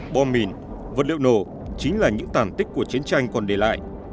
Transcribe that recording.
bom mìn vật liệu nổ chính là những tản tích của chiến tranh còn để lại